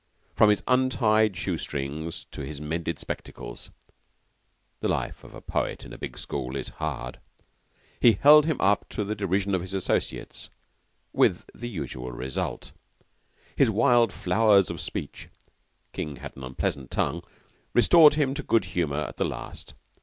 From his untied shoestrings to his mended spectacles (the life of a poet at a big school is hard) he held him up to the derision of his associates with the usual result. His wild flowers of speech King had an unpleasant tongue restored him to good humor at the last.